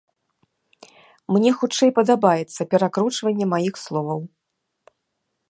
Мне хутчэй падабаецца перакручванне маіх словаў.